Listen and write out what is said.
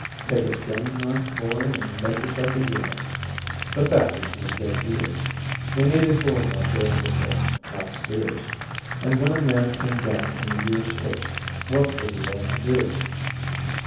Take a skinning knife, boy, and make yourself a eunuch. But that was no good either. They needed bulls out there in the pit, not steers. And when a man came down from a year's hitch, what was he going to do?